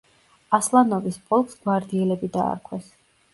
ასლანოვის პოლკს გვარდიელები დაარქვეს.